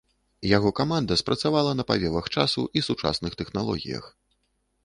Яго каманда спрацавала на павевах часу і сучасных тэхналогіях.